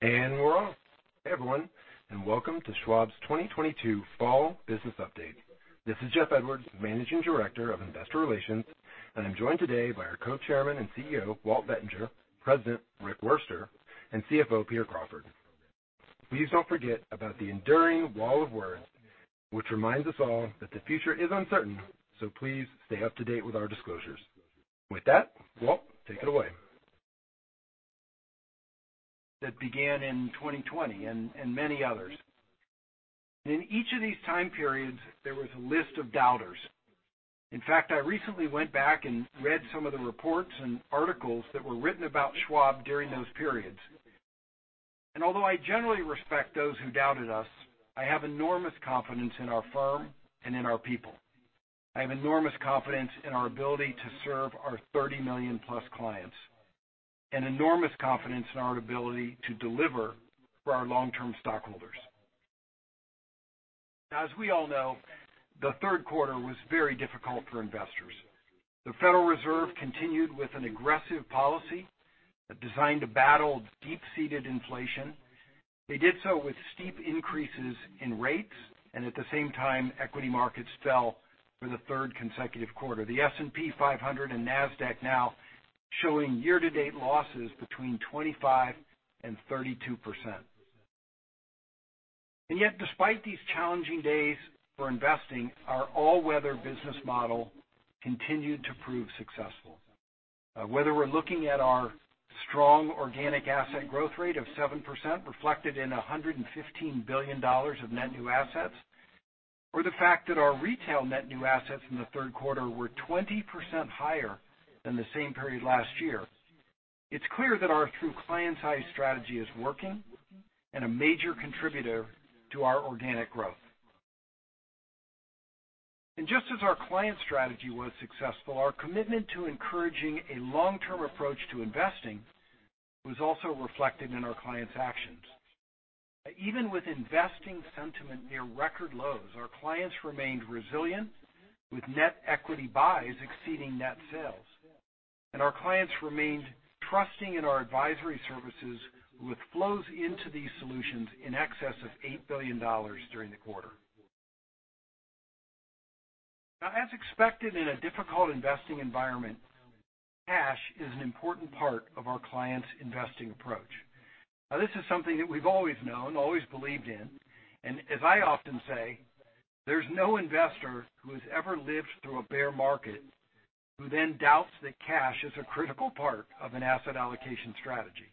We're on. Hey, everyone, and welcome to Schwab's 2022 Fall Business Update. This is Jeff Edwards, Managing Director of Investor Relations, and I'm joined today by our Co-Chairman and CEO, Walt Bettinger, President, Rick Wurster, and CFO, Peter Crawford. Please don't forget about the enduring wall of words which reminds us all that the future is uncertain, so please stay up-to-date with our disclosures. With that, Walt, take it away. That began in 2020 and many others. In each of these time periods, there was a list of doubters. In fact, I recently went back and read some of the reports and articles that were written about Schwab during those periods. Although I generally respect those who doubted us, I have enormous confidence in our firm and in our people. I have enormous confidence in our ability to serve our 30 million-plus clients, and enormous confidence in our ability to deliver for our long-term stockholders. As we all know, the third quarter was very difficult for investors. The Federal Reserve continued with an aggressive policy designed to battle deep-seated inflation. They did so with steep increases in rates, and at the same time, equity markets fell for the third consecutive quarter. The S&P 500 and Nasdaq now showing year-to-date losses between 25% and 32%. Yet, despite these challenging days for investing, our all-weather business model continued to prove successful, whether we're looking at our strong organic asset growth rate of 7% reflected in $115 billion of net new assets or the fact that our retail net new assets in the third quarter were 20% higher than the same period last year. It's clear that our Through Client's Eyes strategy is working and a major contributor to our organic growth. Just as our client strategy was successful, our commitment to encouraging a long-term approach to investing was also reflected in our clients' actions. Even with investing sentiment near record lows, our clients remained resilient, with net equity buys exceeding net sales. Our clients remained trusting in our advisory services with flows into these solutions in excess of $8 billion during the quarter. Now, as expected in a difficult investing environment, cash is an important part of our clients' investing approach. Now, this is something that we've always known, always believed in, and as I often say, there's no investor who has ever lived through a bear market who then doubts that cash is a critical part of an asset allocation strategy.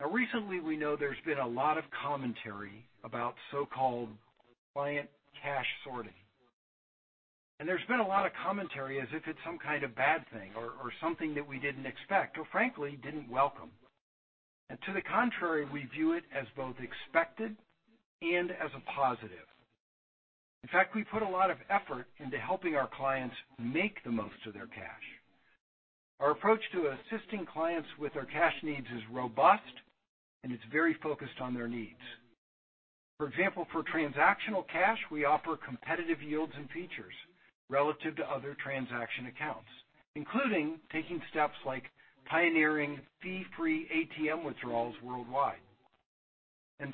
Now, recently, we know there's been a lot of commentary about so-called client cash sorting. There's been a lot of commentary as if it's some kind of bad thing or something that we didn't expect or frankly, didn't welcome. To the contrary, we view it as both expected and as a positive. In fact, we put a lot of effort into helping our clients make the most of their cash. Our approach to assisting clients with their cash needs is robust, and it's very focused on their needs. For example, for transactional cash, we offer competitive yields and features relative to other transaction accounts, including taking steps like pioneering fee-free ATM withdrawals worldwide.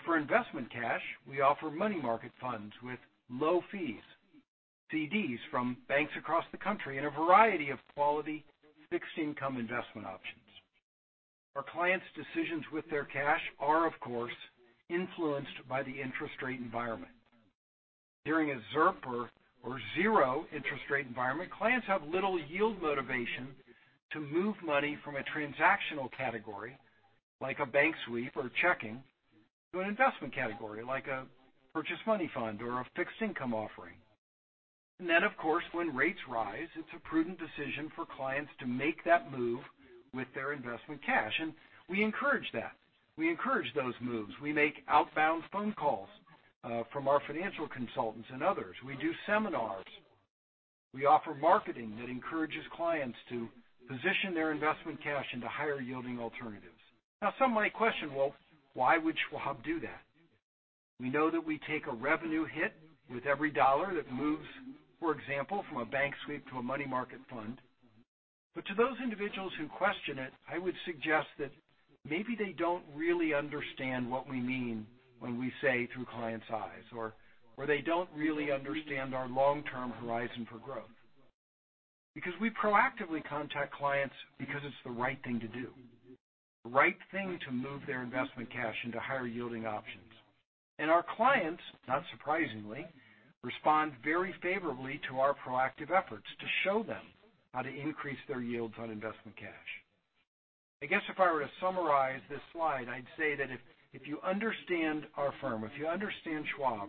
For investment cash, we offer money market funds with low fees, CDs from banks across the country, and a variety of quality fixed income investment options. Our clients' decisions with their cash are, of course, influenced by the interest rate environment. During a ZIRP or zero interest rate environment, clients have little yield motivation to move money from a transactional category, like a bank sweep or checking, to an investment category, like a purchased money fund or a fixed income offering. Then, of course, when rates rise, it's a prudent decision for clients to make that move with their investment cash. We encourage that. We encourage those moves. We make outbound phone calls from our financial consultants and others. We do seminars. We offer marketing that encourages clients to position their investment cash into higher yielding alternatives. Now, some might question, well, why would Schwab do that? We know that we take a revenue hit with every dollar that moves, for example, from a bank sweep to a money market fund. But to those individuals who question it, I would suggest that maybe they don't really understand what we mean when we say through Client's Eyes or where they don't really understand our long-term horizon for growth. Because we proactively contact clients, because it's the right thing to do, the right thing to move their investment cash into higher yielding options. Our clients, not surprisingly, respond very favorably to our proactive efforts to show them how to increase their yields on investment cash. I guess if I were to summarize this slide, I'd say that if you understand our firm, if you understand Schwab,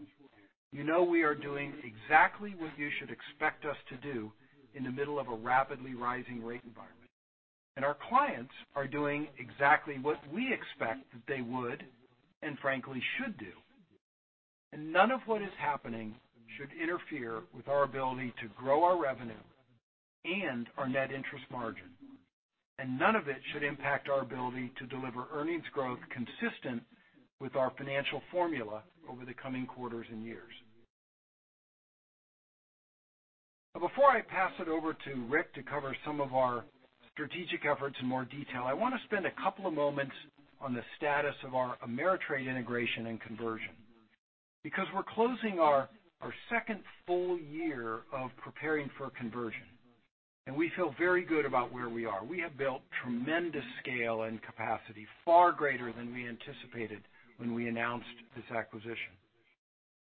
you know we are doing exactly what you should expect us to do in the middle of a rapidly rising rate environment. Our clients are doing exactly what we expect that they would and frankly should do. None of what is happening should interfere with our ability to grow our revenue and our net interest margin, and none of it should impact our ability to deliver earnings growth consistent with our financial formula over the coming quarters and years. Before I pass it over to Rick to cover some of our strategic efforts in more detail, I wanna spend a couple of moments on the status of our Ameritrade integration and conversion because we're closing our second full year of preparing for a conversion, and we feel very good about where we are. We have built tremendous scale and capacity, far greater than we anticipated when we announced this acquisition.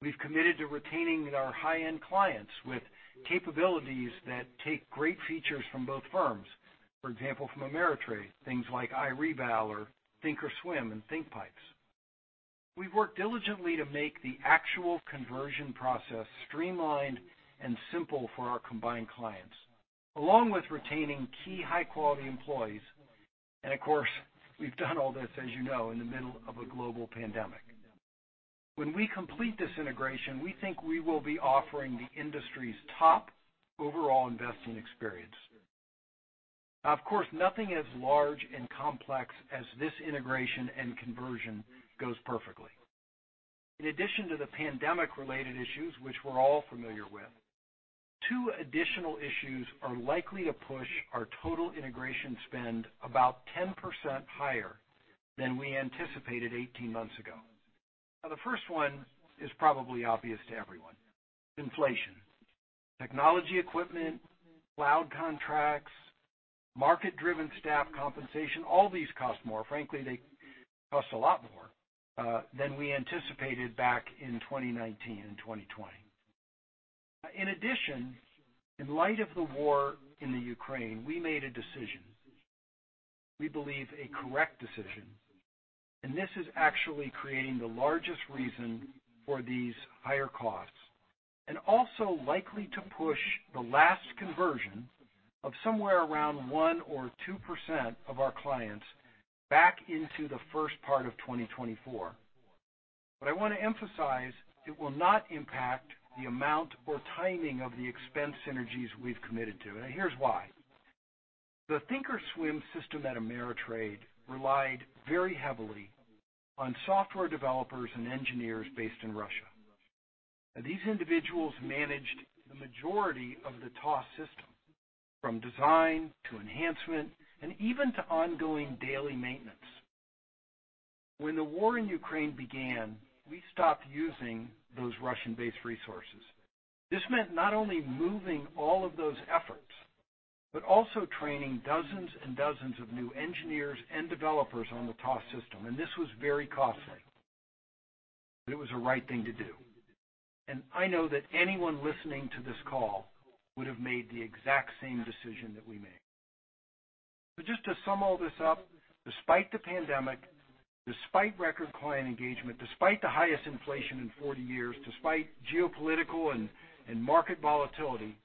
We've committed to retaining our high-end clients with capabilities that take great features from both firms. For example, from Ameritrade, things like iRebal or thinkorswim and thinkpipes. We've worked diligently to make the actual conversion process streamlined and simple for our combined clients, along with retaining key high-quality employees. Of course, we've done all this, as you know, in the middle of a global pandemic. When we complete this integration, we think we will be offering the industry's top overall investing experience. Of course, nothing as large and complex as this integration and conversion goes perfectly. In addition to the pandemic-related issues, which we're all familiar with, two additional issues are likely to push our total integration spend about 10% higher than we anticipated 18 months ago. Now, the first one is probably obvious to everyone, inflation. Technology equipment, cloud contracts, market-driven staff compensation, all these cost more. Frankly, they cost a lot more than we anticipated back in 2019 and 2020. In addition, in light of the war in Ukraine, we made a decision, we believe a correct decision, and this is actually creating the largest reason for these higher costs, and also likely to push the last conversion of somewhere around 1% or 2% of our clients back into the first part of 2024. I wanna emphasize it will not impact the amount or timing of the expense synergies we've committed to, and here's why. The thinkorswim system at Ameritrade relied very heavily on software developers and engineers based in Russia. These individuals managed the majority of the TOS system, from design to enhancement, and even to ongoing daily maintenance. When the war in Ukraine began, we stopped using those Russian-based resources. This meant not only moving all of those efforts, but also training dozens and dozens of new engineers and developers on the TOS system, and this was very costly. It was the right thing to do. I know that anyone listening to this call would have made the exact same decision that we made. Just to sum all this up, despite the pandemic, despite record client engagement, despite the highest inflation in 40 years, despite geopolitical and market volatility,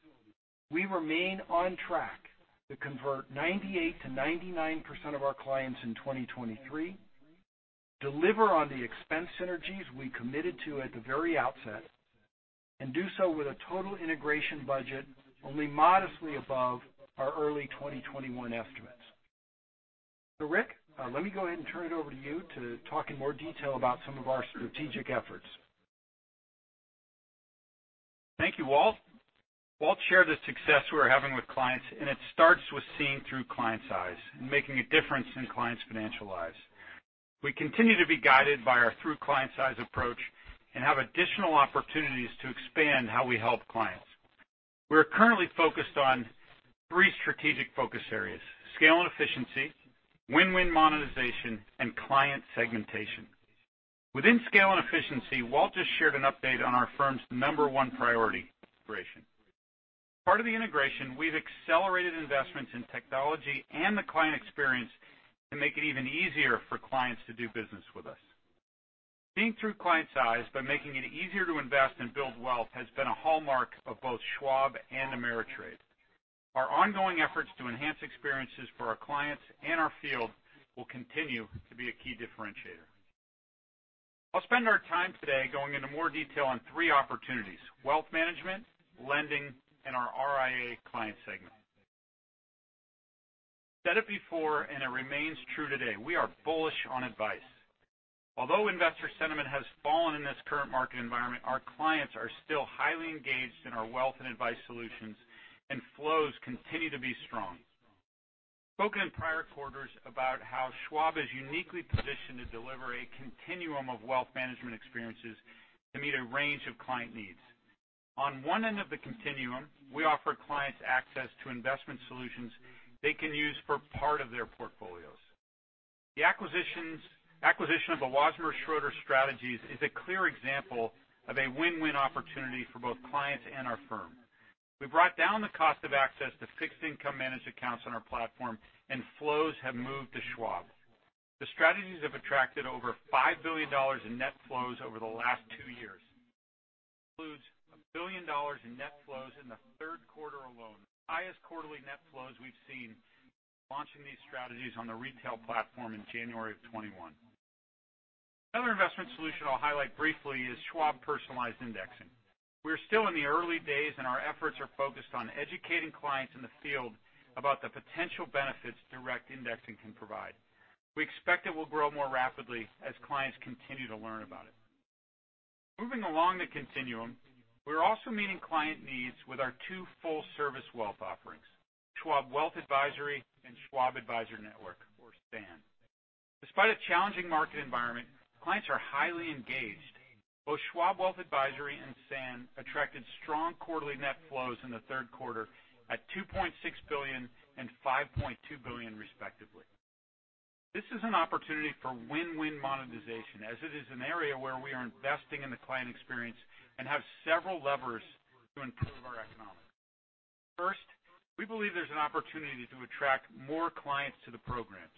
we remain on track to convert 98%-99% of our clients in 2023, deliver on the expense synergies we committed to at the very outset, and do so with a total integration budget only modestly above our early 2021 estimates. Rick, let me go ahead and turn it over to you to talk in more detail about some of our strategic efforts. Thank you, Walt. Walt shared the success we're having with clients, and it starts with seeing Through Client's Eyes and making a difference in clients' financial lives. We continue to be guided by our Through Client's Eyes approach and have additional opportunities to expand how we help clients. We're currently focused on three strategic focus areas, scale and efficiency, win-win monetization, and client segmentation. Within scale and efficiency, Walt just shared an update on our firm's number one priority, integration. Part of the integration, we've accelerated investments in technology and the client experience to make it even easier for clients to do business with us. Seeing Through Client's Eyes by making it easier to invest and build wealth has been a hallmark of both Schwab and Ameritrade. Our ongoing efforts to enhance experiences for our clients and our field will continue to be a key differentiator. I'll spend our time today going into more detail on three opportunities, wealth management, lending, and our RIA client segment. Said it before, and it remains true today, we are bullish on advice. Although investor sentiment has fallen in this current market environment, our clients are still highly engaged in our wealth and advice solutions, and flows continue to be strong. Spoken in prior quarters about how Schwab is uniquely positioned to deliver a continuum of wealth management experiences to meet a range of client needs. On one end of the continuum, we offer clients access to investment solutions they can use for part of their portfolios. The acquisition of the Wasmer, Schroeder strategies is a clear example of a win-win opportunity for both clients and our firm. We brought down the cost of access to fixed income managed accounts on our platform and flows have moved to Schwab. The strategies have attracted over $5 billion in net flows over the last two years. Includes $1 billion in net flows in the third quarter alone, highest quarterly net flows we've seen launching these strategies on the retail platform in January of 2021. Other investment solution I'll highlight briefly is Schwab Personalized Indexing. We're still in the early days, and our efforts are focused on educating clients in the field about the potential benefits direct indexing can provide. We expect it will grow more rapidly as clients continue to learn about it. Moving along the continuum, we're also meeting client needs with our two full service wealth offerings, Schwab Wealth Advisory and Schwab Advisor Network or SAN. Despite a challenging market environment, clients are highly engaged. Both Schwab Wealth Advisory and SAN attracted strong quarterly net flows in the third quarter at $2.6 billion and $5.2 billion respectively. This is an opportunity for win-win monetization, as it is an area where we are investing in the client experience and have several levers to improve our economics. First, we believe there's an opportunity to attract more clients to the programs,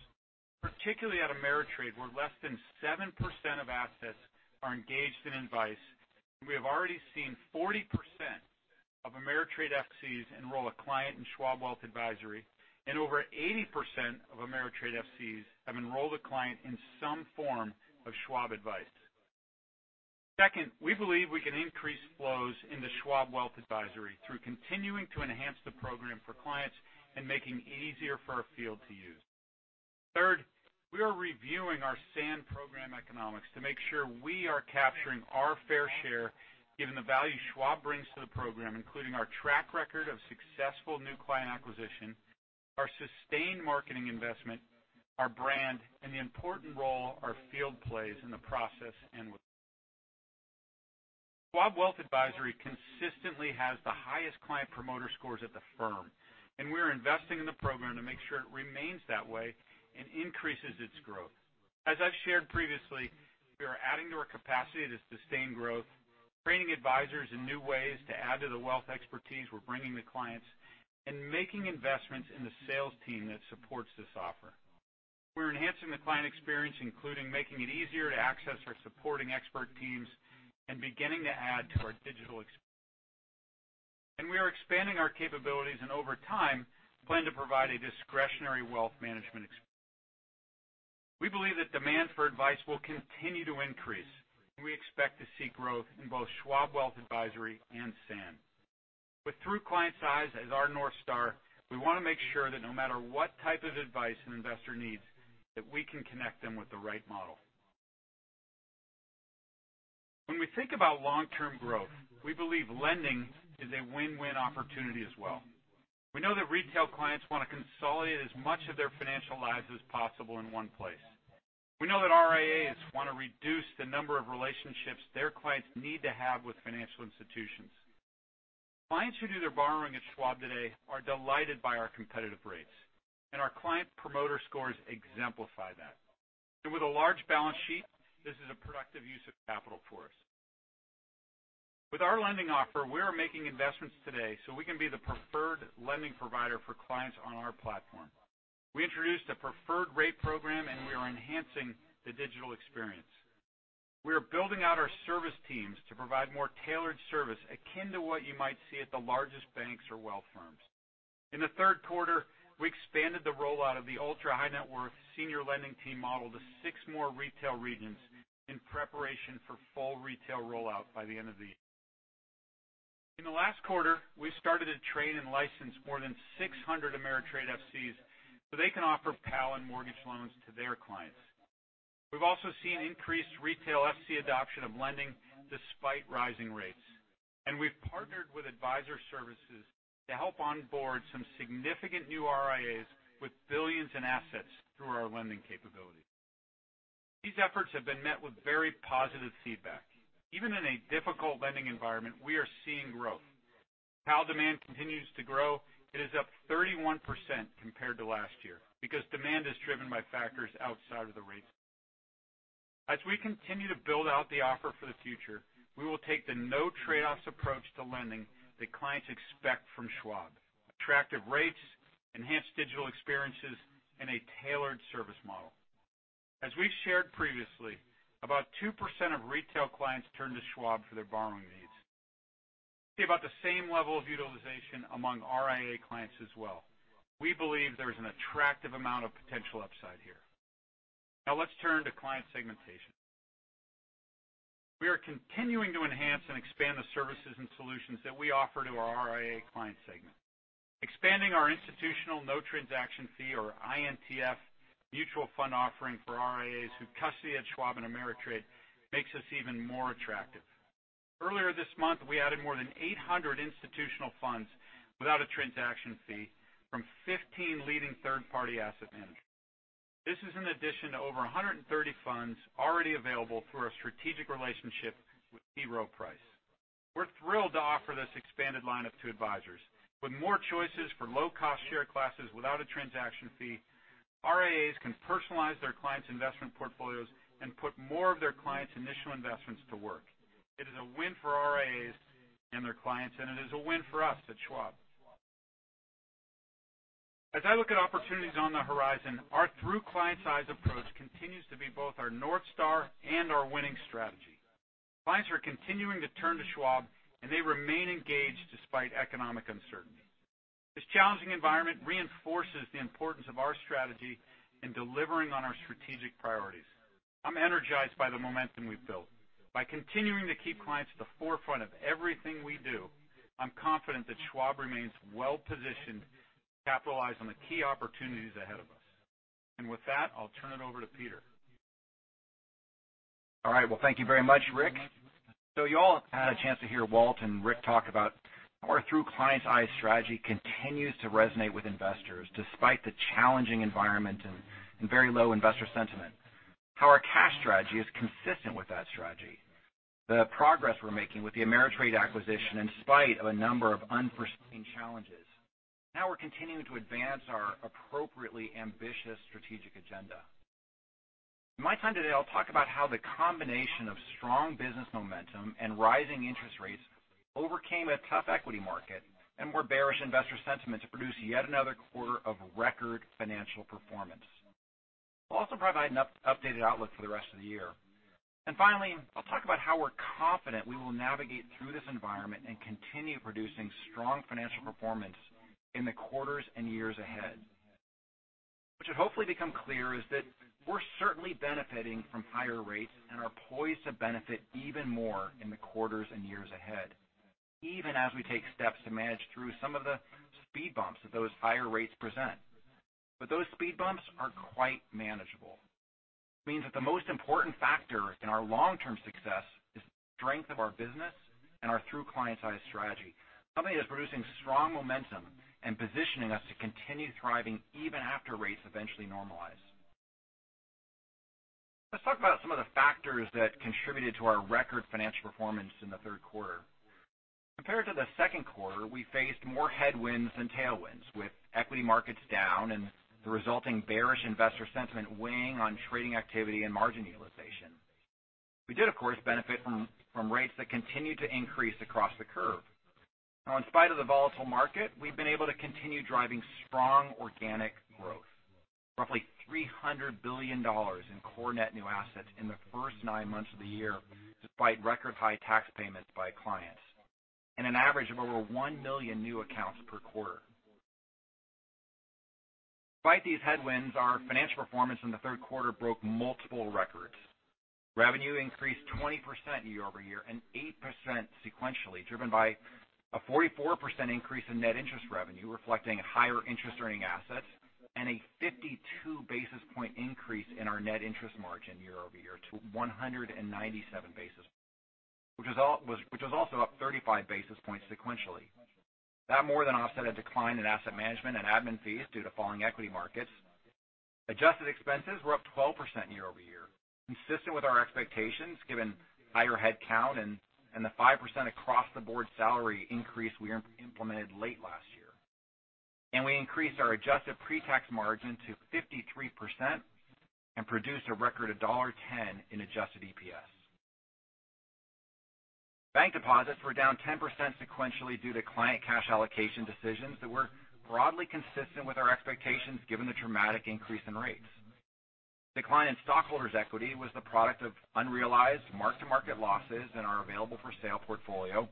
particularly at TD Ameritrade, where less than 7% of assets are engaged in advice, and we have already seen 40% of TD Ameritrade FC's enroll a client in Schwab Wealth Advisory, and over 80% of TD Ameritrade FCs have enrolled a client in some form of Schwab advice. Second, we believe we can increase flows in the Schwab Wealth Advisory through continuing to enhance the program for clients and making it easier for our field to use. Third, we are reviewing our SAN program economics to make sure we are capturing our fair share given the value Schwab brings to the program, including our track record of successful new client acquisition, our sustained marketing investment, our brand, and the important role our field plays in the process and with. Schwab Wealth Advisory consistently has the highest Client Promoter Scores at the firm, and we're investing in the program to make sure it remains that way and increases its growth. As I've shared previously, we are adding to our capacity to sustain growth, training advisors in new ways to add to the wealth expertise we're bringing to clients, and making investments in the sales team that supports this offer. We're enhancing the client experience, including making it easier to access our supporting expert teams and beginning to add to our digital. We are expanding our capabilities and over time plan to provide a discretionary wealth management. We believe that demand for advice will continue to increase, and we expect to see growth in both Schwab Wealth Advisory and SAN. Through Client's Eyes as our North Star, we wanna make sure that no matter what type of advice an investor needs, that we can connect them with the right model. When we think about long-term growth, we believe lending is a win-win opportunity as well. We know that retail clients wanna consolidate as much of their financial lives as possible in one place. We know that RIAs wanna reduce the number of relationships their clients need to have with financial institutions. Clients who do their borrowing at Schwab today are delighted by our competitive rates, and our Client Promoter Scores exemplify that. With a large balance sheet, this is a productive use of capital for us. With our lending offer, we are making investments today so we can be the preferred lending provider for clients on our platform. We introduced a preferred rate program and we are enhancing the digital experience. We are building out our service teams to provide more tailored service akin to what you might see at the largest banks or wealth firms. In the third quarter, we expanded the rollout of the ultra high net worth senior lending team model to six more retail regions in preparation for full retail rollout by the end of the year. In the last quarter, we started to train and license more than 600 TD Ameritrade FCs so they can offer PAL and mortgage loans to their clients. We've also seen increased retail FC adoption of lending despite rising rates, and we've partnered with advisor services to help onboard some significant new RIAs with billions in assets through our lending capabilities. These efforts have been met with very positive feedback. Even in a difficult lending environment, we are seeing growth. PAL demand continues to grow. It is up 31% compared to last year because demand is driven by factors outside of the rates. As we continue to build out the offer for the future, we will take the no trade-offs approach to lending that clients expect from Schwab. Attractive rates, enhanced digital experiences, and a tailored service model. As we've shared previously, about 2% of retail clients turn to Schwab for their borrowing needs. We see about the same level of utilization among RIA clients as well. We believe there is an attractive amount of potential upside here. Now let's turn to client segmentation. We are continuing to enhance and expand the services and solutions that we offer to our RIA client segment. Expanding our Institutional No Transaction Fee, or INTF, mutual fund offering for RIAs who custody at Schwab and Ameritrade makes us even more attractive. Earlier this month, we added more than 800 institutional funds without a transaction fee from 15 leading third-party asset managers. This is an addition to over 130 funds already available through our strategic relationship with T. Rowe Price. We're thrilled to offer this expanded lineup to advisors. With more choices for low-cost share classes without a transaction fee, RIAs can personalize their clients' investment portfolios and put more of their clients' initial investments to work. It is a win for RIAs and their clients, and it is a win for us at Schwab. As I look at opportunities on the horizon, our through client's eyes approach continues to be both our North Star and our winning strategy. Clients are continuing to turn to Schwab, and they remain engaged despite economic uncertainty. This challenging environment reinforces the importance of our strategy in delivering on our strategic priorities. I'm energized by the momentum we've built. By continuing to keep clients at the forefront of everything we do, I'm confident that Schwab remains well-positioned to capitalize on the key opportunities ahead of us. With that, I'll turn it over to Peter. All right. Well, thank you very much, Rick. You all had a chance to hear Walt and Rick talk about how our Through Client's Eyes strategy continues to resonate with investors despite the challenging environment and very low investor sentiment. How our cash strategy is consistent with that strategy. The progress we're making with the TD Ameritrade acquisition in spite of a number of unforeseen challenges. How we're continuing to advance our appropriately ambitious strategic agenda. In my time today, I'll talk about how the combination of strong business momentum and rising interest rates overcame a tough equity market and more bearish investor sentiment to produce yet another quarter of record financial performance. I'll also provide an updated outlook for the rest of the year. Finally, I'll talk about how we're confident we will navigate through this environment and continue producing strong financial performance in the quarters and years ahead. What should hopefully become clear is that we're certainly benefiting from higher rates and are poised to benefit even more in the quarters and years ahead, even as we take steps to manage through some of the speed bumps that those higher rates present. Those speed bumps are quite manageable. It means that the most important factor in our long-term success is the strength of our business and our Through Client's Eyes strategy. Something that's producing strong momentum and positioning us to continue thriving even after rates eventually normalize. Let's talk about some of the factors that contributed to our record financial performance in the third quarter. Compared to the second quarter, we faced more headwinds than tailwinds, with equity markets down and the resulting bearish investor sentiment weighing on trading activity and margin utilization. We did, of course, benefit from rates that continued to increase across the curve. Now in spite of the volatile market, we've been able to continue driving strong organic growth. Roughly $300 billion in core net new assets in the first nine months of the year, despite record high tax payments by clients, and an average of over 1 million new accounts per quarter. Despite these headwinds, our financial performance in the third quarter broke multiple records. Revenue increased 20% year-over-year and 8% sequentially, driven by a 44% increase in net interest revenue, reflecting higher interest earning assets, and a 52 basis point increase in our net interest margin year-over-year to 197 basis points, which was also up 35 basis points sequentially. That more than offset a decline in asset management and admin fees due to falling equity markets. Adjusted expenses were up 12% year-over-year, consistent with our expectations given higher headcount and the 5% across the board salary increase we implemented late last year. We increased our adjusted pre-tax margin to 53% and produced a record $10 in adjusted EPS. Bank deposits were down 10% sequentially due to client cash allocation decisions that were broadly consistent with our expectations given the dramatic increase in rates. Decline in stockholders' equity was the product of unrealized mark-to-market losses in our available-for-sale portfolio,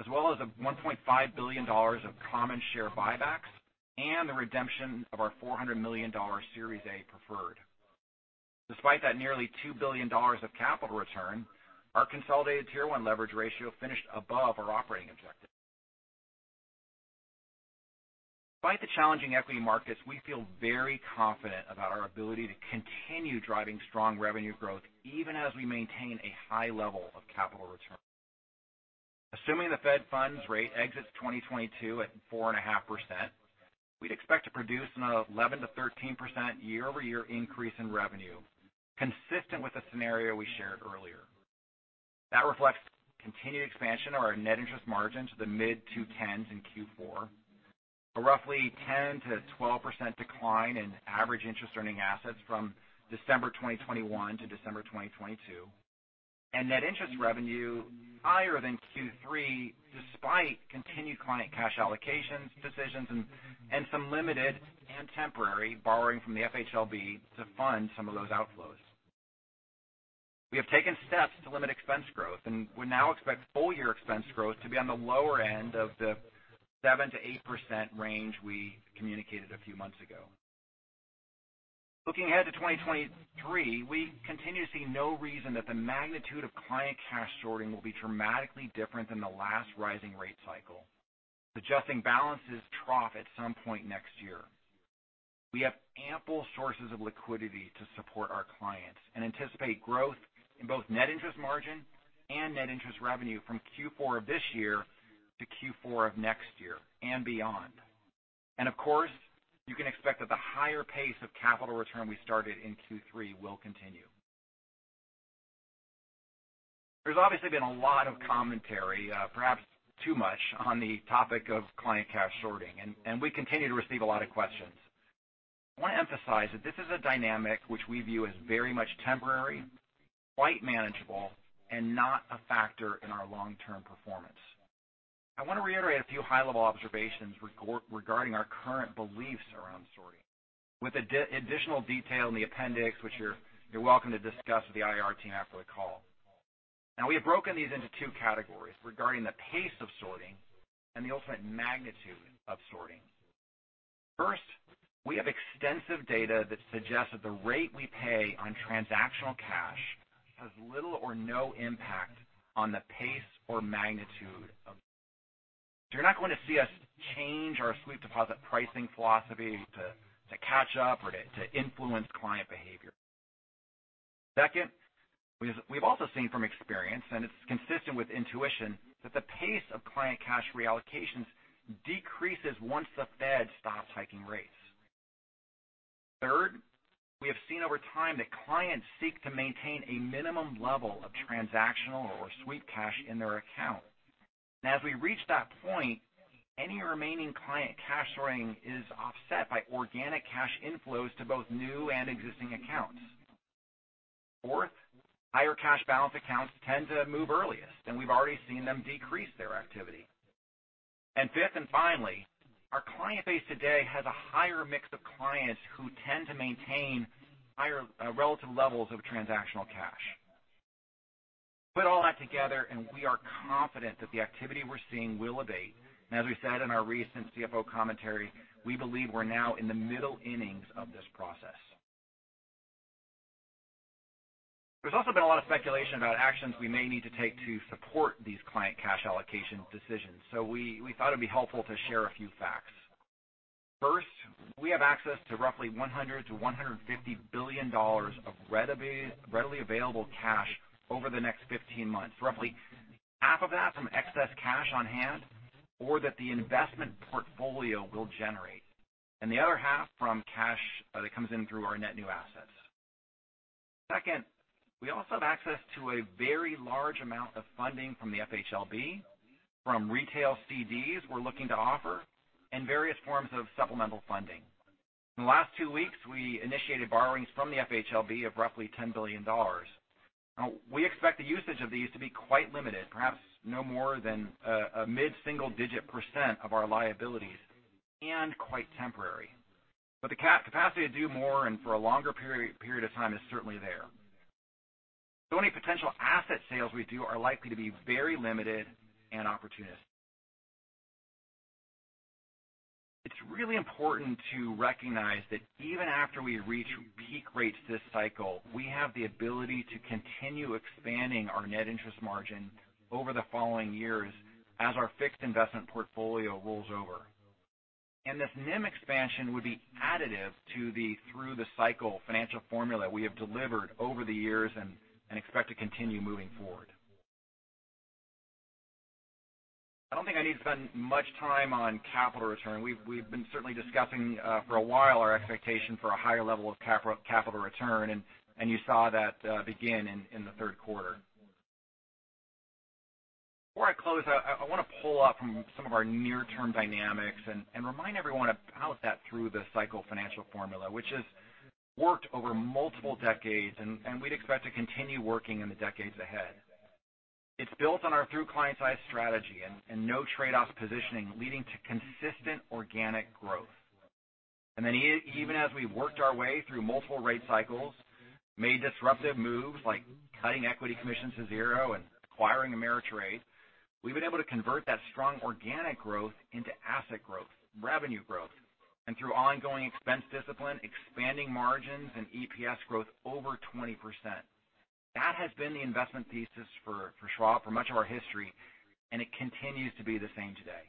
as well as $1.5 billion of common share buybacks and the redemption of our $400 million Series A Preferred. Despite that nearly $2 billion of capital return, our consolidated Tier 1 leverage ratio finished above our operating objective. Despite the challenging equity markets, we feel very confident about our ability to continue driving strong revenue growth even as we maintain a high level of capital return. Assuming the Fed funds rate exits 2022 at 4.5%, we'd expect to produce another 11%-13% year-over-year increase in revenue, consistent with the scenario we shared earlier. That reflects continued expansion of our net interest margin to the mid-2s in Q4. A roughly 10%-12% decline in average interest earning assets from December 2021 to December 2022. Net interest revenue higher than Q3 despite continued client cash allocation decisions and some limited and temporary borrowing from the FHLB to fund some of those outflows. We have taken steps to limit expense growth, and we now expect full year expense growth to be on the lower end of the 7%-8% range we communicated a few months ago. Looking ahead to 2023, we continue to see no reason that the magnitude of client cash sorting will be dramatically different than the last rising rate cycle. Adjusted balances trough at some point next year. We have ample sources of liquidity to support our clients and anticipate growth in both net interest margin and net interest revenue from Q4 of this year to Q4 of next year and beyond. Of course, you can expect that the higher pace of capital return we started in Q3 will continue. There's obviously been a lot of commentary, perhaps too much, on the topic of client cash sorting, and we continue to receive a lot of questions. I want to emphasize that this is a dynamic which we view as very much temporary, quite manageable, and not a factor in our long-term performance. I want to reiterate a few high-level observations regarding our current beliefs around sorting, with additional detail in the appendix, which you're welcome to discuss with the IR team after the call. We have broken these into two categories regarding the pace of sweeping and the ultimate magnitude of sweeping. First, we have extensive data that suggests that the rate we pay on transactional cash has little or no impact on the pace or magnitude of sweeping. So you're not going to see us change our sweep deposit pricing philosophy to catch up or to influence client behavior. Second, we've also seen from experience, and it's consistent with intuition, that the pace of client cash reallocations decreases once the Fed stops hiking rates. Third, we have seen over time that clients seek to maintain a minimum level of transactional or sweep cash in their account. As we reach that point, any remaining client cash sweeping is offset by organic cash inflows to both new and existing accounts. Fourth, higher cash balance accounts tend to move earliest, and we've already seen them decrease their activity. Fifth, and finally, our client base today has a higher mix of clients who tend to maintain higher relative levels of transactional cash. Put all that together, and we are confident that the activity we're seeing will abate. As we said in our recent CFO commentary, we believe we're now in the middle innings of this process. There's also been a lot of speculation about actions we may need to take to support these client cash allocation decisions, so we thought it'd be helpful to share a few facts. First, we have access to roughly $100 billion-$150 billion of readily available cash over the next 15 months, roughly half of that from excess cash on hand or that the investment portfolio will generate, and the other half from cash that comes in through our net new assets. Second, we also have access to a very large amount of funding from the FHLB, from retail CDs we're looking to offer, and various forms of supplemental funding. In the last 2 weeks, we initiated borrowings from the FHLB of roughly $10 billion. Now we expect the usage of these to be quite limited, perhaps no more than a mid-single digit % of our liabilities and quite temporary. The capacity to do more and for a longer period of time is certainly there. Any potential asset sales we do are likely to be very limited and opportunistic. It's really important to recognize that even after we reach peak rates this cycle, we have the ability to continue expanding our net interest margin over the following years as our fixed investment portfolio rolls over. This NIM expansion would be additive to the through-the-cycle financial formula we have delivered over the years and expect to continue moving forward. I don't think I need to spend much time on capital return. We've been certainly discussing for a while our expectation for a higher level of capital return, and you saw that begin in the third quarter. Before I close, I want to pull up from some of our near-term dynamics and remind everyone of how that through-the-cycle financial formula, which has worked over multiple decades and we'd expect to continue working in the decades ahead. It's built on our Through Client's Eyes strategy and no-tradeoffs positioning leading to consistent organic growth. Even as we worked our way through multiple rate cycles, made disruptive moves like cutting equity commissions to zero and acquiring TD Ameritrade, we've been able to convert that strong organic growth into asset growth, revenue growth, and through ongoing expense discipline, expanding margins and EPS growth over 20%. That has been the investment thesis for Schwab for much of our history, and it continues to be the same today.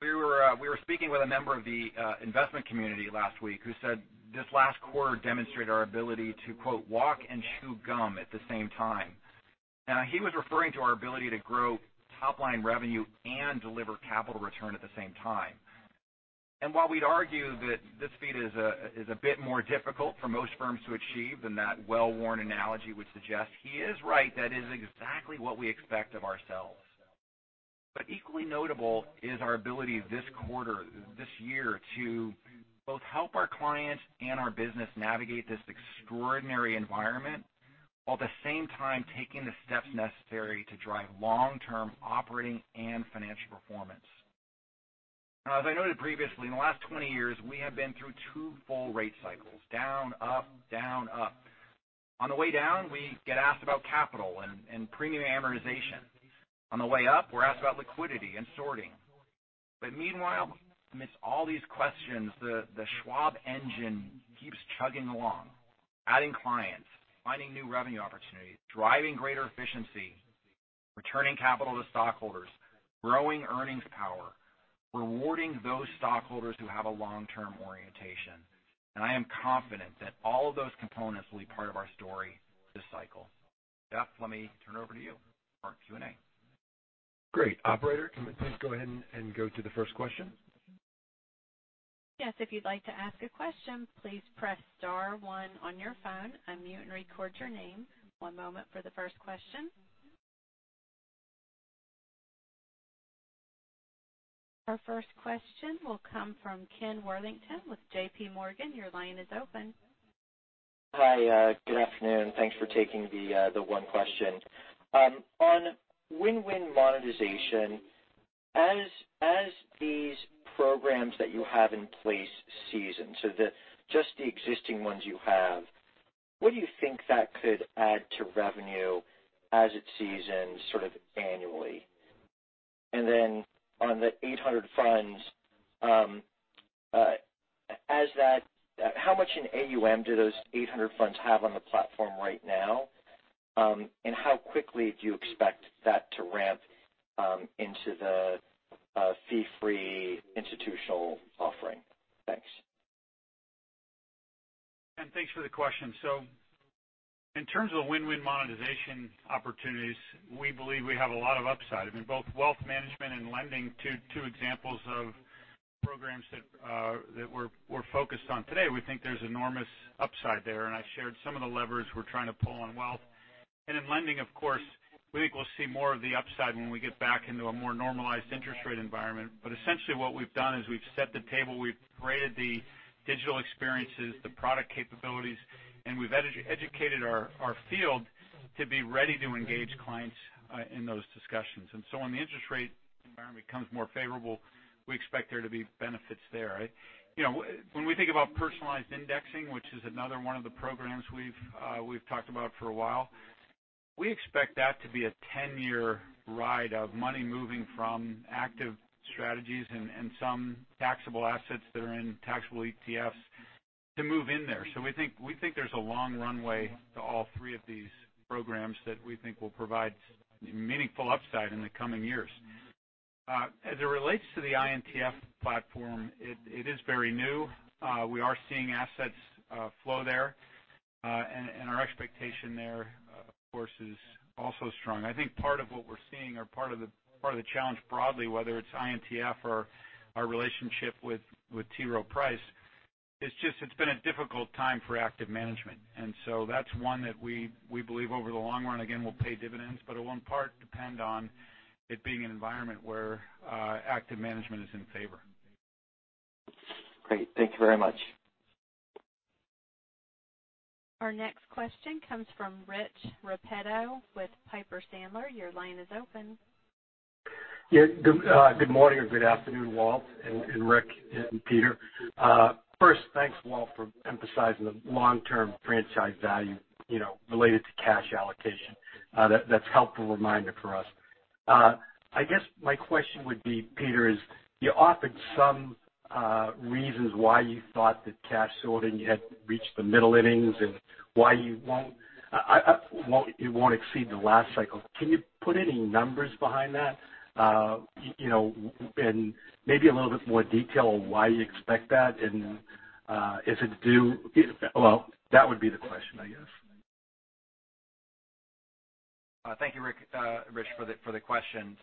We were speaking with a member of the investment community last week who said this last quarter demonstrated our ability to, quote, walk and chew gum at the same time. Now, he was referring to our ability to grow top-line revenue and deliver capital return at the same time. While we'd argue that this feat is a bit more difficult for most firms to achieve than that well-worn analogy would suggest, he is right. That is exactly what we expect of ourselves. Equally notable is our ability this quarter, this year to both help our clients and our business navigate this extraordinary environment while at the same time taking the steps necessary to drive long-term operating and financial performance. Now, as I noted previously, in the last 20 years, we have been through 2 full rate cycles, down, up, down, up. On the way down, we get asked about capital and premium amortization. On the way up, we're asked about liquidity and sorting. But meanwhile, amidst all these questions, the Schwab engine keeps chugging along, adding clients, finding new revenue opportunities, driving greater efficiency, returning capital to stockholders, growing earnings power, rewarding those stockholders who have a long-term orientation. I am confident that all of those components will be part of our story this cycle. Jeff, let me turn it over to you for Q&A. Great. Operator, can we please go ahead and go to the first question? Yes, if you'd like to ask a question, please press star one on your phone, unmute and record your name. One moment for the first question. Our first question will come from Ken Worthington with JP Morgan. Your line is open. Hi, good afternoon. Thanks for taking the one question. On win-win monetization, as these programs that you have in place season, so just the existing ones you have, what do you think that could add to revenue as it seasons sort of annually? On the 800 funds, how much in AUM do those 800 funds have on the platform right now? How quickly do you expect that to ramp into the fee-free institutional offering? Thanks. Thanks for the question. In terms of win-win monetization opportunities, we believe we have a lot of upside. I mean, both wealth management and lending, two examples of programs that we're focused on today. We think there's enormous upside there, and I shared some of the levers we're trying to pull on wealth. In lending, of course, we think we'll see more of the upside when we get back into a more normalized interest rate environment. Essentially what we've done is we've set the table, we've created the digital experiences, the product capabilities, and we've educated our field to be ready to engage clients in those discussions. When the interest rate environment becomes more favorable, we expect there to be benefits there. You know, when we think about personalized indexing, which is another one of the programs we've talked about for a while, we expect that to be a 10-year ride of money moving from active strategies and some taxable assets that are in taxable ETFs to move in there. We think there's a long runway to all three of these programs that we think will provide meaningful upside in the coming years. As it relates to the INTF platform, it is very new. We are seeing assets flow there, and our expectation there, of course, is also strong. I think part of what we're seeing or part of the challenge broadly, whether it's INTF or our relationship with T. Rowe Price, is just it's been a difficult time for active management. That's one that we believe over the long run, again, will pay dividends, but it won't partly depend on it being an environment where active management is in favor. Great. Thank you very much. Our next question comes from Richard Repetto with Piper Sandler. Your line is open. Yeah. Good morning or good afternoon, Walt and Rick and Peter. First, thanks, Walt, for emphasizing the long-term franchise value, you know, related to cash allocation. That's a helpful reminder for us. I guess my question would be, Peter, as you offered some reasons why you thought that cash sorting had reached the middle innings and why it won't exceed the last cycle. Can you put any numbers behind that? You know, and maybe a little bit more detail on why you expect that and is it due. Well, that would be the question, I guess. Thank you, Rick, Richard, for the question.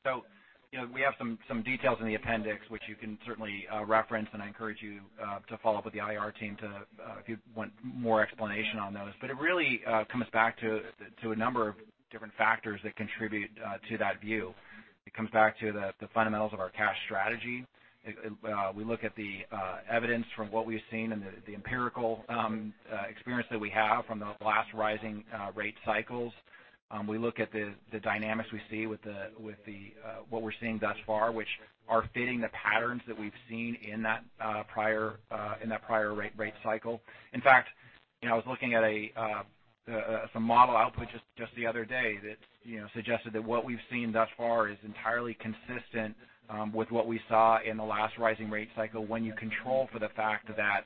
You know, we have some details in the appendix, which you can certainly reference, and I encourage you to follow up with the IR team if you want more explanation on those. It really comes back to a number of different factors that contribute to that view. It comes back to the fundamentals of our cash strategy. We look at the evidence from what we've seen and the empirical experience that we have from the last rising rate cycles. We look at the dynamics we see with what we're seeing thus far, which are fitting the patterns that we've seen in that prior rate cycle. In fact, you know, I was looking at some model output just the other day that, you know, suggested that what we've seen thus far is entirely consistent with what we saw in the last rising rate cycle when you control for the fact that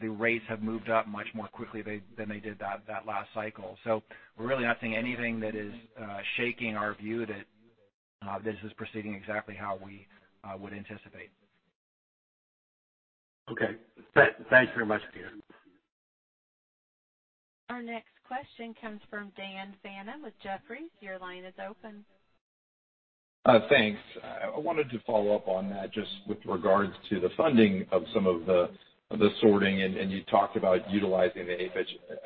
the rates have moved up much more quickly than they did that last cycle. We're really not seeing anything that is shaking our view that this is proceeding exactly how we would anticipate. Okay. Thanks very much, Peter. Our next question comes from Daniel Fannon with Jefferies. Your line is open. Thanks. I wanted to follow up on that just with regards to the funding of some of the sorting. You talked about utilizing the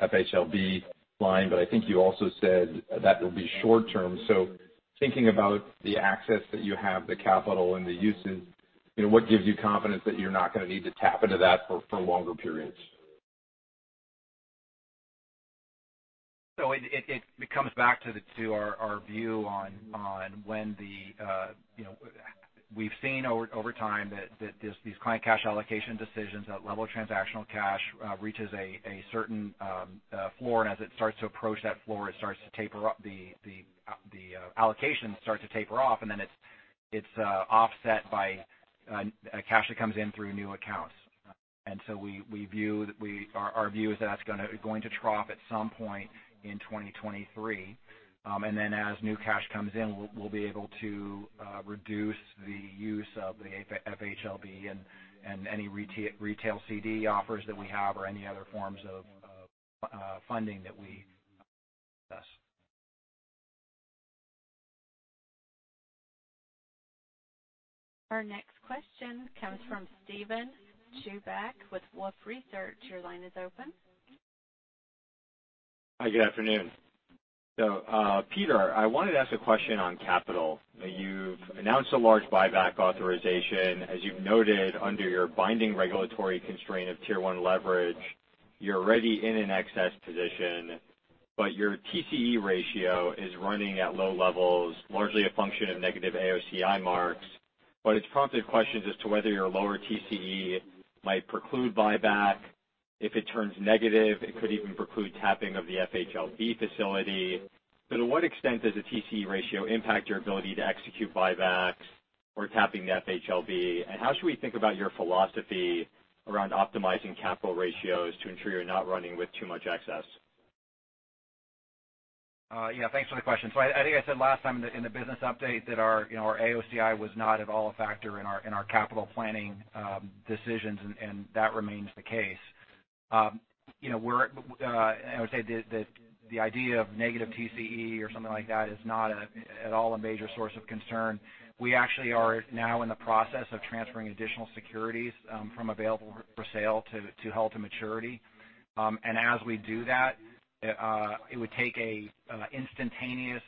FHLB line, but I think you also said that will be short term. Thinking about the access that you have, the capital and the uses, you know, what gives you confidence that you're not going to need to tap into that for longer periods? It comes back to our view on when the. We've seen over time that these client cash allocation decisions, that level of transactional cash, reaches a certain floor, and as it starts to approach that floor, the allocation starts to taper off, and then it's offset by cash that comes in through new accounts. Our view is that's going to trough at some point in 2023. As new cash comes in, we'll be able to reduce the use of the FHLB and any retail CD offers that we have or any other forms of funding that we discuss. Our next question comes from Steven Chubak with Wolfe Research. Your line is open. Hi, good afternoon. Peter, I wanted to ask a question on capital. You've announced a large buyback authorization. As you've noted, under your binding regulatory constraint of Tier 1 leverage, you're already in an excess position, but your TCE ratio is running at low levels, largely a function of negative AOCI. It's prompted questions as to whether your lower TCE might preclude buyback. If it turns negative, it could even preclude tapping of the FHLB facility. To what extent does the TCE ratio impact your ability to execute buybacks or tapping the FHLB? How should we think about your philosophy around optimizing capital ratios to ensure you're not running with too much excess? Yeah, thanks for the question. I think I said last time in the business update that our, you know, our AOCI was not at all a factor in our capital planning decisions and that remains the case. You know, I would say the idea of negative TCE or something like that is not at all a major source of concern. We actually are now in the process of transferring additional securities from available-for-sale to held to maturity. As we do that, it would take a instantaneous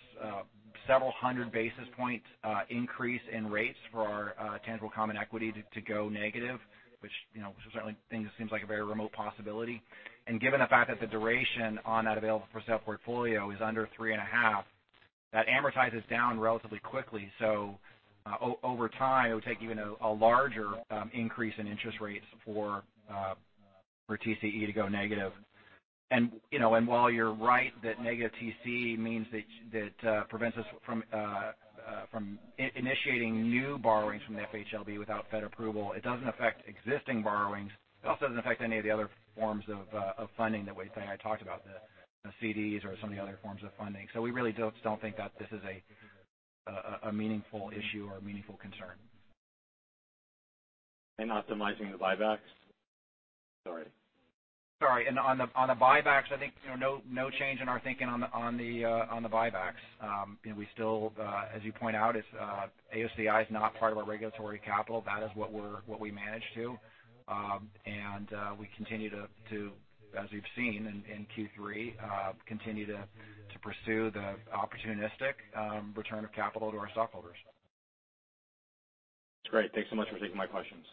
several hundred basis points increase in rates for our tangible common equity to go negative, which, you know, certainly seems like a very remote possibility. Given the fact that the duration on that available-for-sale portfolio is under 3.5, that amortizes down relatively quickly. Over time, it would take even a larger increase in interest rates for TCE to go negative. You know, while you're right that negative TCE means that that prevents us from initiating new borrowings from the FHLB without Fed approval, it doesn't affect existing borrowings. It also doesn't affect any of the other forms of funding that I talked about, the CDs or some of the other forms of funding. We really don't think that this is a meaningful issue or a meaningful concern. Optimizing the buybacks? Sorry. Sorry. On the buybacks, I think, you know, no change in our thinking on the buybacks. You know, we still, as you point out, it's AOCI is not part of our regulatory capital. That is what we manage to. We continue to, as we've seen in Q3, continue to pursue the opportunistic return of capital to our stockholders. That's great. Thanks so much for taking my questions.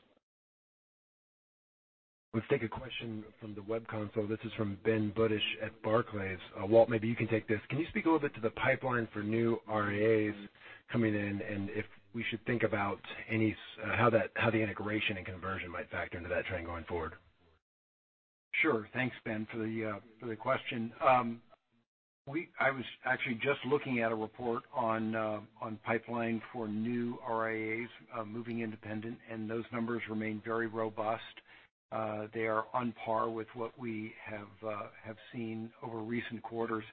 Let's take a question from the web console. This is from Ben Budish at Barclays. Walt, maybe you can take this. Can you speak a little bit to the pipeline for new RIAs coming in, and if we should think about how the integration and conversion might factor into that trend going forward? Sure. Thanks, Ben Budish, for the question. I was actually just looking at a report on pipeline for new RIAs moving independent, and those numbers remain very robust. They are on par with what we have seen over recent quarters.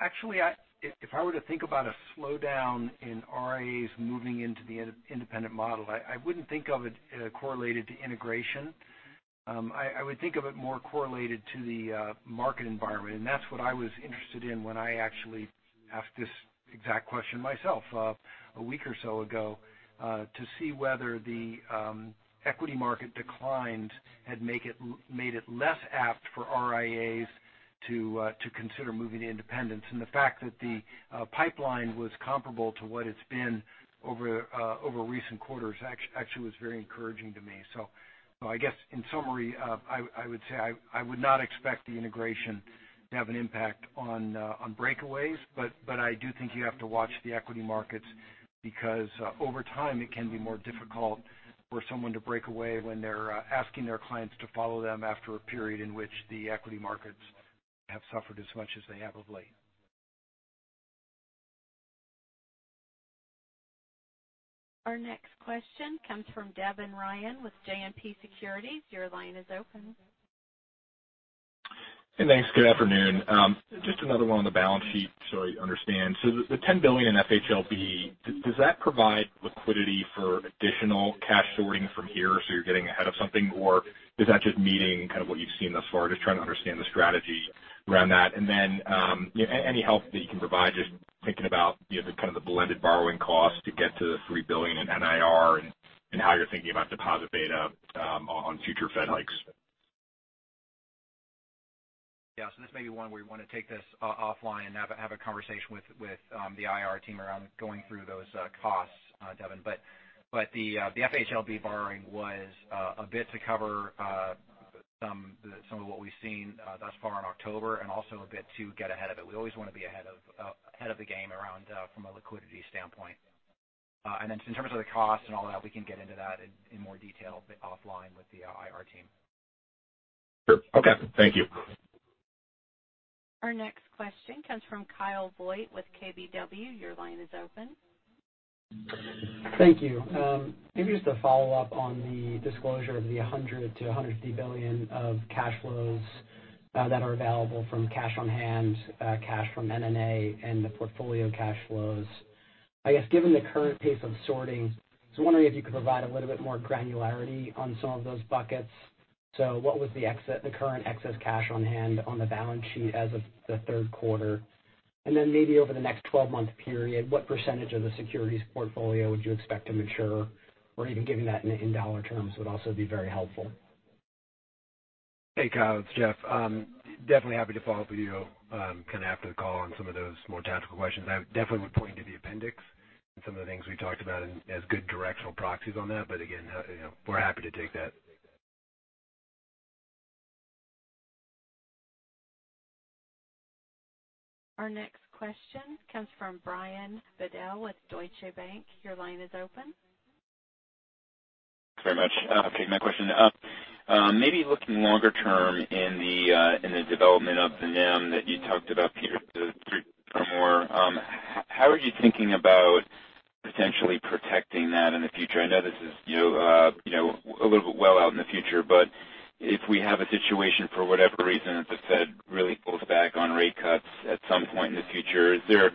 Actually, if I were to think about a slowdown in RIAs moving into the independent model, I wouldn't think of it correlated to integration. I would think of it more correlated to the market environment, and that's what I was interested in when I actually asked this exact question myself a week or so ago to see whether the equity market declines had made it less apt for RIAs to consider moving to independence. The fact that the pipeline was comparable to what it's been over recent quarters actually was very encouraging to me. I guess in summary, I would say I would not expect the integration to have an impact on breakaways, but I do think you have to watch the equity markets because over time it can be more difficult for someone to break away when they're asking their clients to follow them after a period in which the equity markets have suffered as much as they have of late. Our next question comes from Devin Ryan with JMP Securities. Your line is open. Hey, thanks. Good afternoon. Just another one on the balance sheet so I understand. The $10 billion in FHLB, does that provide liquidity for additional cash sorting from here, so you're getting ahead of something? Is that just meeting kind of what you've seen thus far? Just trying to understand the strategy around that. Any help that you can provide just thinking about, you know, the kind of the blended borrowing cost to get to the $3 billion in NIR and how you're thinking about deposit beta on future Fed hikes. Yeah. This may be one where you want to take this offline and have a conversation with the IR team around going through those costs, Devin. The FHLB borrowing was a bit to cover some of what we've seen thus far in October and also a bit to get ahead of it. We always want to be ahead of the game from a liquidity standpoint. In terms of the cost and all that, we can get into that in more detail a bit offline with the IR team. Sure. Okay. Thank you. Our next question comes from Kyle Voigt with KBW. Your line is open. Thank you. Maybe just a follow-up on the disclosure of the $100-$100 billion of cash flows that are available from cash on hand, cash from M&A and the portfolio cash flows. I guess given the current pace of sourcing, wondering if you could provide a little bit more granularity on some of those buckets. What was the current excess cash on hand on the balance sheet as of the third quarter? And then maybe over the next 12-month period, what percentage of the securities portfolio would you expect to mature? Or even giving that in dollar terms would also be very helpful. Hey, Kyle, it's Jeff. Definitely happy to follow up with you, kind of after the call on some of those more tactical questions. I definitely would point you to the appendix and some of the things we talked about as good directional proxies on that. Again, you know, we're happy to take that. Our next question comes from Brian Bedell with Deutsche Bank. Your line is open. Very much. Okay, my question. Maybe looking longer term in the development of the NIM that you talked about, Peter, how are you thinking about potentially protecting that in the future? I know this is, you know, you know, a little bit well out in the future, but if we have a situation for whatever reason that the Fed really pulls back on rate cuts at some point in the future, is there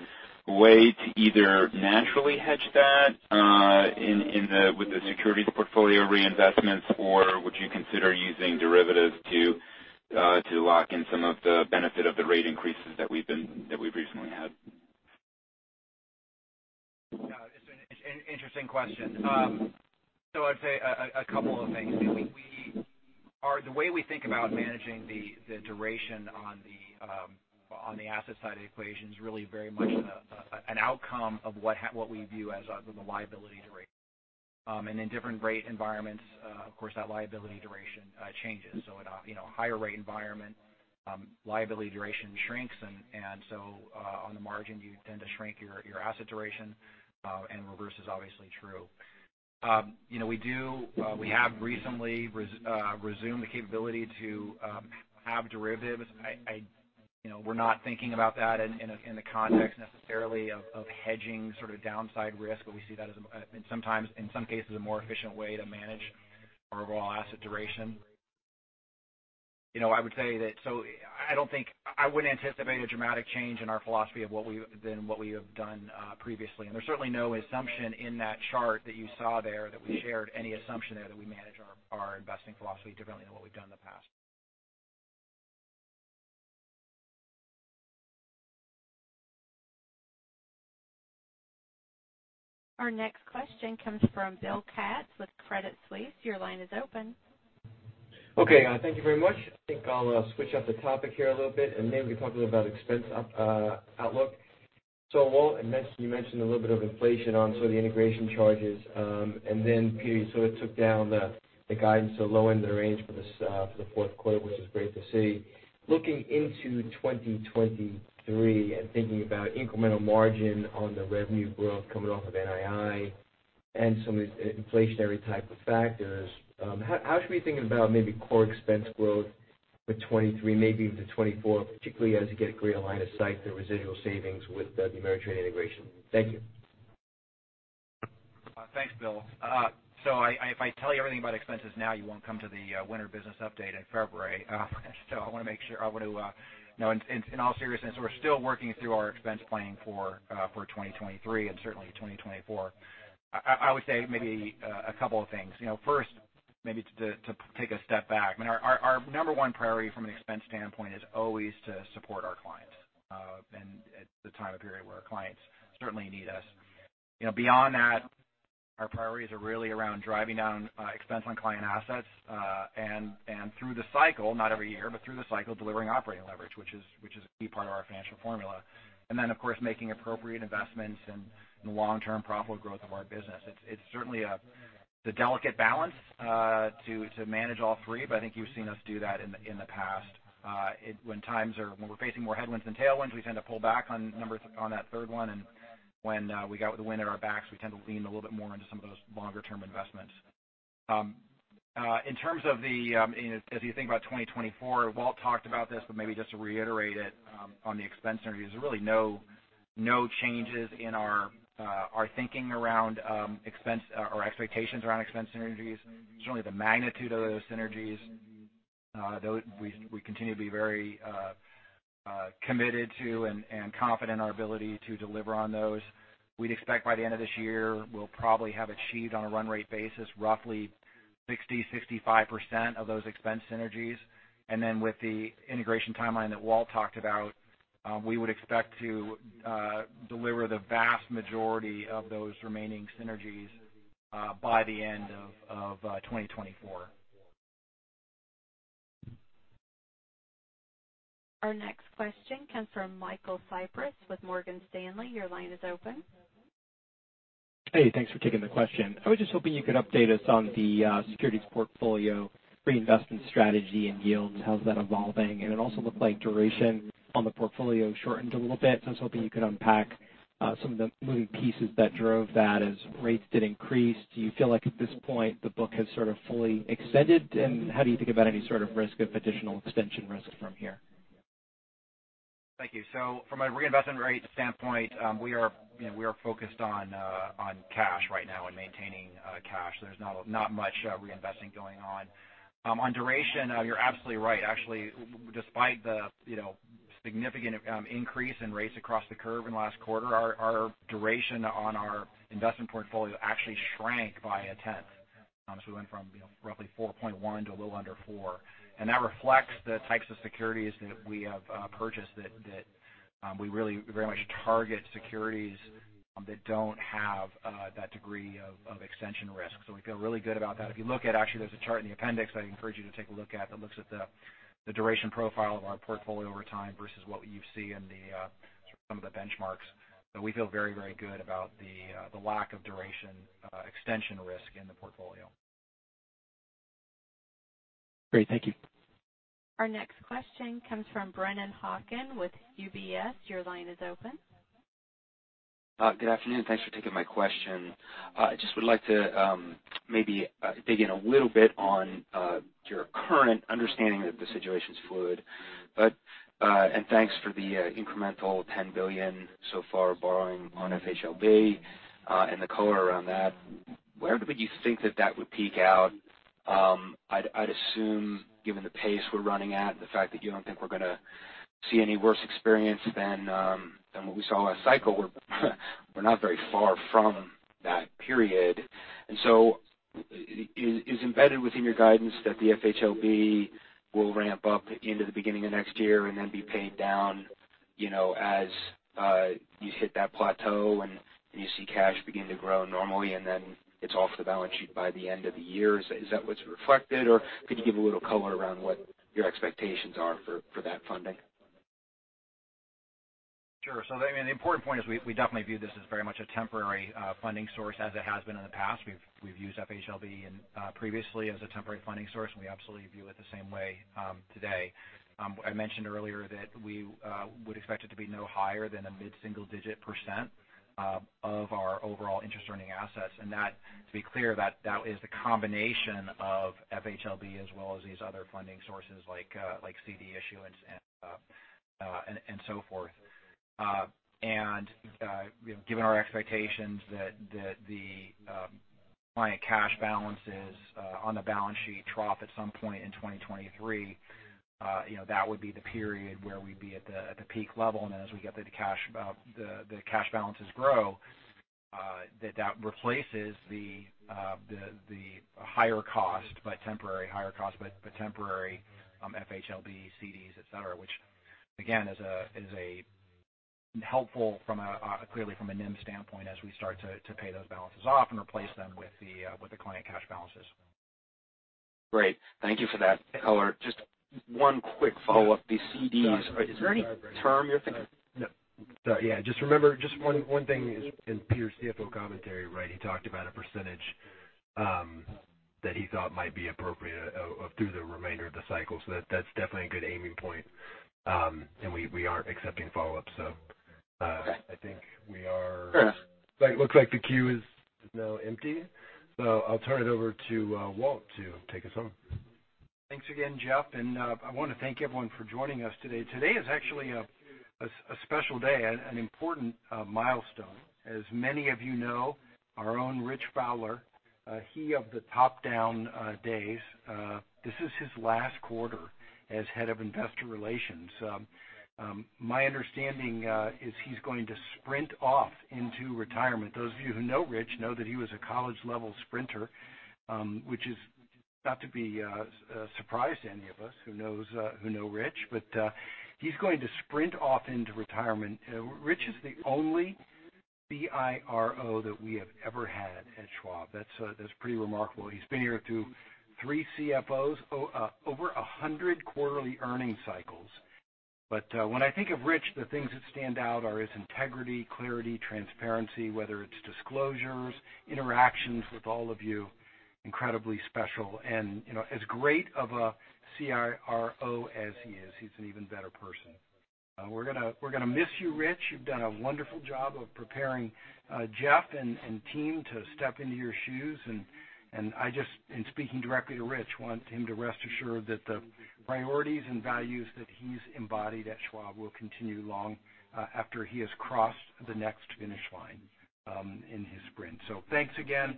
a way to either naturally hedge that with the securities portfolio reinvestments? Or would you consider using derivatives to lock in some of the benefit of the rate increases that we've recently had? Yeah, it's an interesting question. I'd say a couple of things. You know, the way we think about managing the duration on the asset side of the equation is really very much an outcome of what we view as the liability duration. In different rate environments, of course, that liability duration changes. In a higher rate environment, you know, liability duration shrinks. On the margin, you tend to shrink your asset duration, and reverse is obviously true. You know, we have recently resumed the capability to have derivatives. You know, we're not thinking about that in the context necessarily of hedging sort of downside risk, but we see that as in some cases a more efficient way to manage our overall asset duration. You know, I would say that. So I don't think. I wouldn't anticipate a dramatic change in our philosophy than what we have done previously. There's certainly no assumption in that chart that you saw there that we shared any assumption there that we manage our investing philosophy differently than what we've done in the past. Our next question comes from Bill Katz with Credit Suisse. Your line is open. Okay. Thank you very much. I think I'll switch up the topic here a little bit and maybe talk a little about expense outlook. Walt mentioned, you mentioned a little bit of inflation on some of the integration charges. Peter sort of took down the guidance to the low end of the range for the fourth quarter, which is great to see. Looking into 2023 and thinking about incremental margin on the revenue growth coming off of NII and some of these inflationary type of factors, how should we think about maybe core expense growth for 2023, maybe into 2024, particularly as you get greater line of sight, the residual savings with the Ameritrade integration? Thank you. Thanks, Bill. If I tell you everything about expenses now, you won't come to the winter business update in February. I want to make sure, you know, in all seriousness, we're still working through our expense planning for 2023 and certainly 2024. I would say maybe a couple of things. You know, first, maybe to take a step back. I mean, our number one priority from an expense standpoint is always to support our clients, and it's a time period where our clients certainly need us. You know, beyond that, our priorities are really around driving down expense on client assets, and through the cycle, not every year, but through the cycle, delivering operating leverage, which is a key part of our financial formula. Of course, making appropriate investments in the long-term profitable growth of our business. It's certainly the delicate balance to manage all three, but I think you've seen us do that in the past. When we're facing more headwinds than tailwinds, we tend to pull back on spending on that third one. When we got the wind at our backs, we tend to lean a little bit more into some of those longer term investments. In terms of the end, as you think about 2024, Walt talked about this, but maybe just to reiterate it, on the expense synergies. There's really no changes in our thinking around expense or expectations around expense synergies. Certainly the magnitude of those synergies, we continue to be very committed to and confident in our ability to deliver on those. We'd expect by the end of this year, we'll probably have achieved on a run rate basis, roughly 65% of those expense synergies. With the integration timeline that Walt talked about, we would expect to deliver the vast majority of those remaining synergies by the end of 2024. Our next question comes from Michael Cyprys with Morgan Stanley. Your line is open. Hey, thanks for taking the question. I was just hoping you could update us on the securities portfolio reinvestment strategy and yields. How's that evolving? And it also looked like duration on the portfolio shortened a little bit. So I was hoping you could unpack some of the moving pieces that drove that as rates did increase. Do you feel like at this point the book has sort of fully extended? And how do you think about any sort of risk of additional extension risk from here? Thank you. From a reinvestment rate standpoint, we are, you know, we are focused on cash right now and maintaining cash. There's not much reinvesting going on. On duration, you're absolutely right. Actually, despite the, you know, significant increase in rates across the curve in the last quarter, our duration on our investment portfolio actually shrank by a tenth. We went from, you know, roughly 4.1 to a little under four. That reflects the types of securities that we have purchased that we really very much target securities that don't have that degree of extension risk. We feel really good about that. If you look at actually, there's a chart in the appendix. I encourage you to take a look at that looks at the duration profile of our portfolio over time versus what you see in the sort of some of the benchmarks. We feel very, very good about the lack of duration extension risk in the portfolio. Great. Thank you. Our next question comes from Brennan Hawken with UBS. Your line is open. Good afternoon. Thanks for taking my question. I just would like to maybe dig in a little bit on your current understanding that the situation's fluid, but and thanks for the incremental $10 billion so far borrowing on FHLB and the color around that. Where would you think that would peak out? I'd assume given the pace we're running at and the fact that you don't think we're gonna see any worse experience than what we saw last cycle, we're not very far from that period. Is embedded within your guidance that the FHLB will ramp up into the beginning of next year and then be paid down, you know, as you hit that plateau and you see cash begin to grow normally, and then it's off the balance sheet by the end of the year. Is that what's reflected? Or could you give a little color around what your expectations are for that funding? Sure. I mean, the important point is we definitely view this as very much a temporary funding source as it has been in the past. We've used FHLB previously as a temporary funding source, and we absolutely view it the same way today. I mentioned earlier that we would expect it to be no higher than a mid-single digit % of our overall interest-earning assets. That, to be clear, is the combination of FHLB as well as these other funding sources like CD issuance and so forth. You know, given our expectations that the client cash balances on the balance sheet trough at some point in 2023, you know, that would be the period where we'd be at the peak level. As we get the cash, the cash balances grow, that replaces the higher cost, but temporary FHLB, CDs, et cetera, which again is helpful, clearly from a NIM standpoint as we start to pay those balances off and replace them with the client cash balances. Great. Thank you for that color. Just one quick follow-up. The CDs, is there any term you're thinking? No. Yeah, just remember one thing is in Peter's CFO commentary, right? He talked about a percentage that he thought might be appropriate through the remainder of the cycle. That's definitely a good aiming point. We aren't accepting follow-up. Okay. I think we are. All right. It looks like the queue is now empty, so I'll turn it over to Walt to take us home. Thanks again, Jeff, and I want to thank everyone for joining us today. Today is actually a special day, an important milestone. As many of you know our own Richard Fowler, he of the top-down days, this is his last quarter as head of investor relations. My understanding is he's going to sprint off into retirement. Those of you who know Richard know that he was a college-level sprinter, which is not to be surprised to any of us who know Richard. He's going to sprint off into retirement. Richard is the only IRO that we have ever had at Schwab. That's pretty remarkable. He's been here through three CFOs over 100 quarterly earnings cycles. When I think of Richard, the things that stand out are his integrity, clarity, transparency, whether it's disclosures, interactions with all of you, incredibly special. You know, as great of a CIRO as he is, he's an even better person. We're gonna miss you, Richard. You've done a wonderful job of preparing Jeff and team to step into your shoes. I just, in speaking directly to Richard, want him to rest assured that the priorities and values that he's embodied at Schwab will continue long after he has crossed the next finish line in his sprint. Thanks again,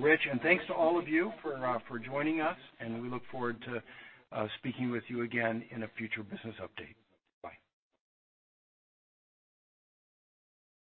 Richard, and thanks to all of you for joining us. We look forward to speaking with you again in a future business update. Bye.